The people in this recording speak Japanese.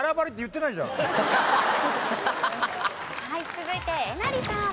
続いてえなりさん。